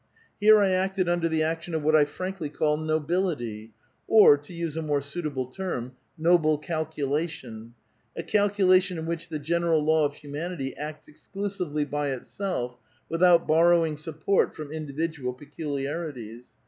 Here I acted under the action of what I frankly call nobility, or, to use a more suitable term, noble calculation, — a calculation in which the general law of humanity acts exclusively by itself, without borrowing sup port from individual peculiarities.